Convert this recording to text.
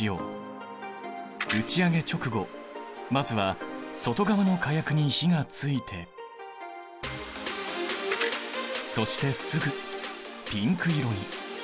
打ち上げ直後まずは外側の火薬に火がついてそしてすぐピンク色に。